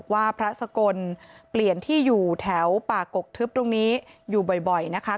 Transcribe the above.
ว่าพระสกลเปลี่ยนที่อยู่แถวป่ากกทึบตรงนี้อยู่บ่อยนะคะ